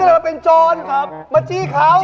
ไม่มีอะไรของเราเล่าส่วนฟังครับพี่